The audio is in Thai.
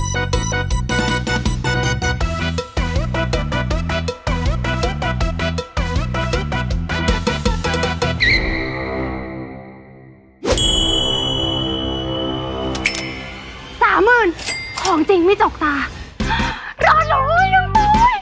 สามหมื่นของจริงไม่จกตารอดหลุยรอดหลุย